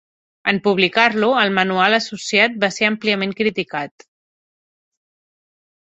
En publicar-lo, el manual associat va ser àmpliament criticat.